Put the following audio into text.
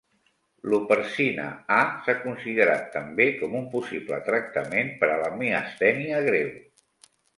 L"huperzina A s"ha considerat també com un possible tractament per a la miastènia greu.